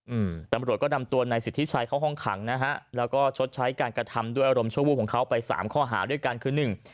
อืมตำรวจก็นำตัวนายสิทธิชัยเข้าห้องขังนะฮะแล้วก็ชดใช้การกระทำด้วยอารมณ์ชั่ววูบของเขาไปสามข้อหาด้วยกันคือหนึ่ง